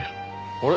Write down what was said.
あれ？